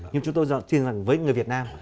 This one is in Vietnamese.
nhưng chúng tôi tin rằng với người việt nam